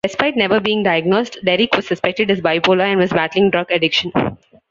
Despite never being diagnosed, Derrick was suspected as bipolar and was battling drug addiction.